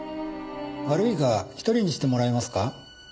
悪いが一人にしてもらえますか。